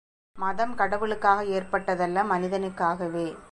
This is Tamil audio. மதம் கடவுளுக்காக ஏற்பட்டதல்ல மனிதனுக்காகவே.